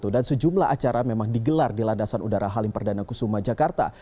dan sejumlah acara memang digelar di landasan udara halim perdana kusuma jakarta